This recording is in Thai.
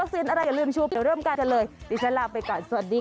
สวัสดีค่ะ